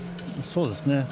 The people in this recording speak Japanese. そうですね。